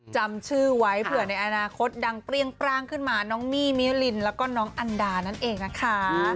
จำชื่อไว้เผื่อในอนาคตดังเปรี้ยงปร่างขึ้นมาน้องมี่มิลินแล้วก็น้องอันดานั่นเองนะคะ